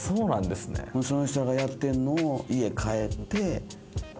その人がやってんのを家帰って。